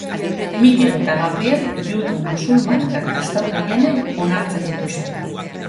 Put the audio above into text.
Mikel eta Gabriel judu, musulman eta kristau gehienek onartzen dituzte.